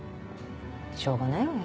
しょうがないわよ